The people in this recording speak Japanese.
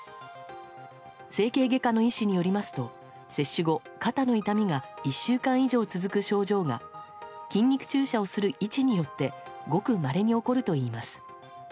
整形外科の医師によりますと接種後、肩の痛みが１週間以上続く症状が筋肉注射をする位置によってごくまれに起こるといいます。